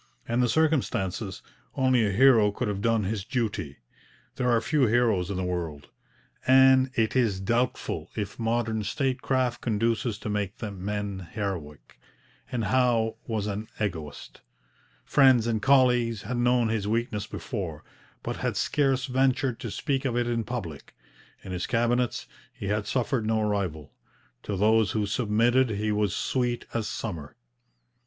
In the circumstances, only a hero could have done his duty. There are few heroes in the world, and it is doubtful if modern statecraft conduces to make men heroic. And Howe was an egoist. Friends and colleagues had known his weakness before, but had scarce ventured to speak of it in public. In his cabinets he had suffered no rival. To those who submitted he was sweet as summer.